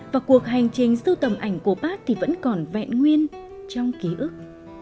và cuộc hành trình sưu tầm ảnh của bác thì vẫn còn vẹn nguyên trong ký ức